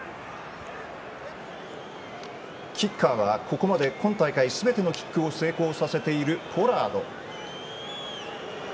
キッカーは、ここまで今大会すべてのキックを成功させている、ポラード。